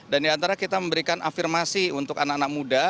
dan di antara kita memberikan afirmasi untuk anak anak muda